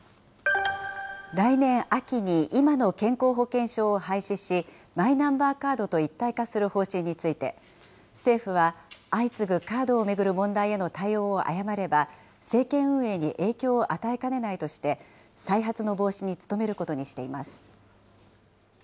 来年秋に今の健康保険証を廃止し、マイナンバーカードと一体化する方針について、政府は、相次ぐカードを巡る問題への対応を誤れば、政権運営に影響を与えかねないとして、再発の防止に努めることにしています。